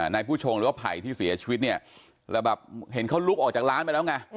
ผู้ชงหรือว่าไผ่ที่เสียชีวิตเนี่ยแล้วแบบเห็นเขาลุกออกจากร้านไปแล้วไง